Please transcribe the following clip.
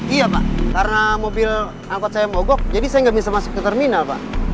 iya pak karena mobil angkot saya mogok jadi saya nggak bisa masuk ke terminal pak